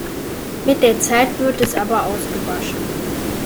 Mit der Zeit wird es aber ausgewaschen.